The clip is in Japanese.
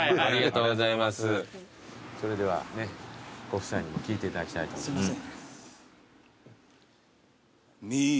それではねご夫妻にも聴いていただきたいと思います。